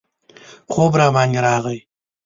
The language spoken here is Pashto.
خوب راباندې راغی.